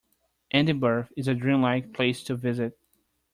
Edinburgh is a dream-like place to visit.